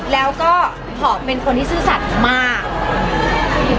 แล้วก็หอมเป็นคนที่ซื่อสัตว์มาก